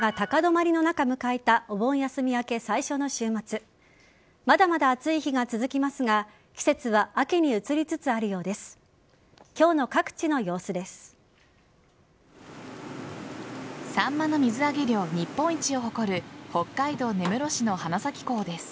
まだまだ暑い日が続きますが季節は秋に移りつつあるようです。